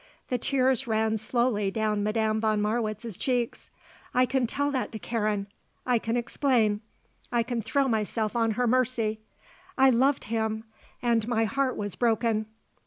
The tears ran slowly down Madame von Marwitz's cheeks. "I can tell that to Karen. I can explain. I can throw myself on her mercy. I loved him and my heart was broken.